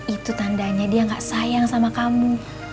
itu tandanya dia gak sayang sama kamu